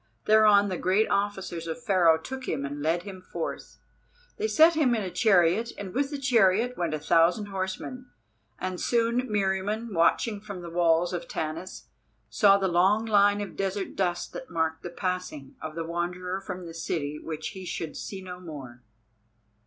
Thereon the great officers of Pharaoh took him and led him forth. They set him in a chariot, and with the chariot went a thousand horsemen; and soon Meriamun, watching from the walls of Tanis, saw the long line of desert dust that marked the passing of the Wanderer from the city which he should see no more.